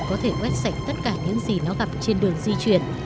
có thể quét sạch tất cả những gì nó gặp trên đường di chuyển